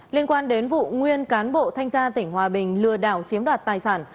liên quan đến vụ nguyên cán bộ thanh tra tỉnh hòa bình lừa đảo chiếm đoạt tài sản